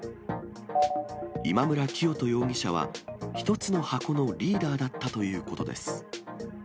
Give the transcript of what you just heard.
今村磨人容疑者は１つの箱のリーダーだったということです。